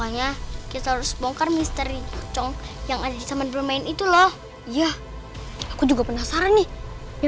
hari gini gue nyari kerjaan di mana lagi ya